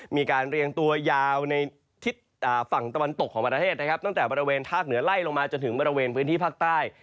เรียงตัวยาวในทิศฝั่งตะวันตกของประเทศนะครับตั้งแต่บริเวณภาคเหนือไล่ลงมาจนถึงบริเวณพื้นที่ภาคใต้